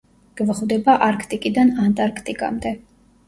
გვხვდება არქტიკიდან ანტარქტიკამდე.